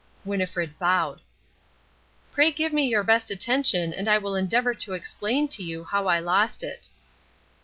Winnifred bowed. "Pray give me your best attention and I will endeavour to explain to you how I lost it."